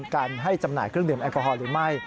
การให้จำหน่ายเครื่องดื่มแอลกอฮอล์หรือไม่